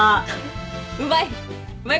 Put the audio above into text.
うまい。